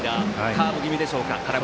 カーブ気味でしょうか